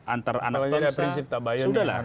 antar anak tosa sudah lah